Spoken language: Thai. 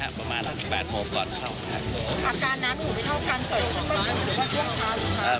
อาการน้ำหูไม่เท่ากันเกิดขึ้นเมื่อเชิงเช้าหรือครับ